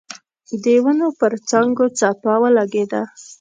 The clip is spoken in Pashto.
د ونو پر څانګو څپه ولګېده.